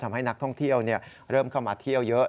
ทำให้นักท่องเที่ยวเริ่มเข้ามาเที่ยวเยอะ